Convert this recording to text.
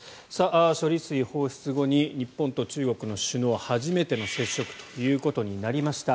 処理水放出後に日本と中国の首脳が初めての接触ということになりました。